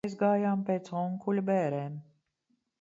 Vēl reiz uz šo mājiņu aizgājām pēc onkuļa bērēm.